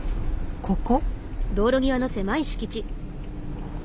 ここ？